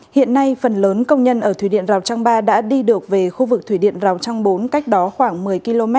hiện nay phần lớn công nhân ở thủy điện rào trang ba đã đi được về khu vực thủy điện rào trang bốn cách đó khoảng một mươi km